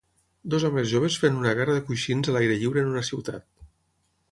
Dos homes joves fent una guerra de coixins a l'aire lliure en una ciutat.